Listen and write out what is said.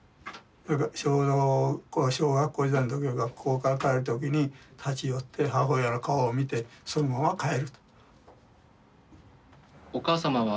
ちょうど小学校時代学校から帰る時に立ち寄って母親の顔を見てそのまま帰ると。